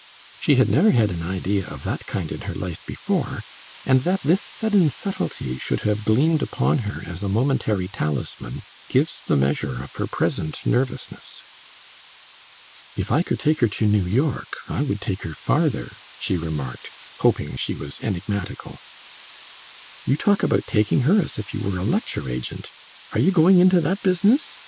She had never had an idea of that kind in her life before, and that this sudden subtlety should have gleamed upon her as a momentary talisman gives the measure of her present nervousness. "If I could take her to New York, I would take her farther," she remarked, hoping she was enigmatical. "You talk about 'taking' her, as if you were a lecture agent. Are you going into that business?"